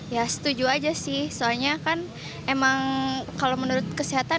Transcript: ya setuju aja sih soalnya kan emang kalau menurut kesehatan